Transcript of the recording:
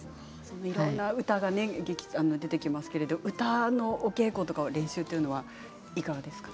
いろんな歌が出てきますが歌の稽古とか練習というのはいかがですか？